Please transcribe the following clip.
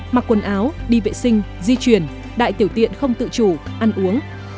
mặc quần áo đi vệ sinh di chuyển đại tiểu tiện không tự chủ ăn uống